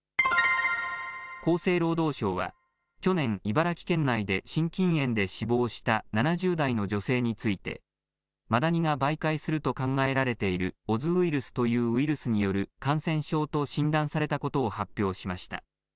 厚生労働省は、去年、茨城県内で心筋炎で死亡した７０代の女性について、マダニが媒介すると考えられているオズウイルスというウイルスによる感染症と診断されたことを発表しました。